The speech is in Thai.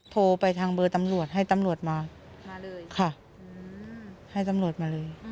โทรไปทางเบอร์ตำรวจให้ตำรวจมามาเลยค่ะให้ตำรวจมาเลย